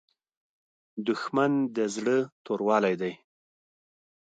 دښمن د زړه توروالی دی